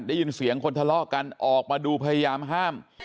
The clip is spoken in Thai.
ได้ยินเสียงคนทะเลาะกันออกมาดูพยายามห้าม